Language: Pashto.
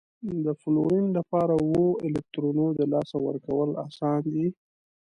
د فلورین لپاره اوو الکترونو د لاسه ورکول اسان دي؟